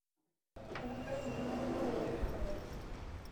Praktikan izendapen hau ohorezkoa da.